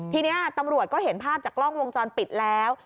ทีนี้ตำรวจก็เห็นภาพจากกล้องวงจรปิดแล้ว